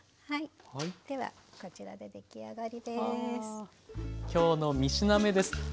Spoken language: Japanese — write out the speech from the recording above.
はいではこちらで出来上がりです。